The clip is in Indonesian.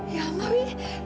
ya allah wih